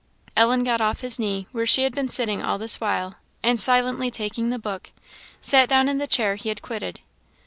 Ellen got off his knee, where she had been sitting all this while, and silently taking the book, sat down in the chair he had quitted.